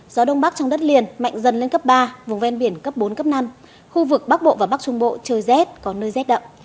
gió đông bắc trong đất liền mạnh dần lên cấp ba vùng ven biển cấp bốn cấp năm khu vực bắc bộ và bắc trung bộ trời rét có nơi rét đậm